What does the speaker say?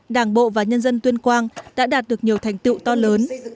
đảng bộ và nhân dân tuyên quang đã đạt được nhiều thành tựu to lớn